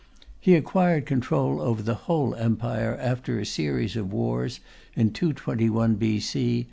He acquired control over the whole Empire, after a series of wars, in 221 B.C.